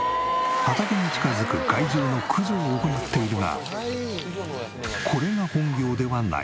畑に近づく害獣の駆除を行っているがこれが本業ではない。